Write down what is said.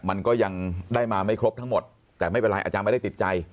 มันก็ยังได้มาไม่ครบทั้งหมดแต่ไม่เป็นไรอาจารย์ไม่ได้ติดใจ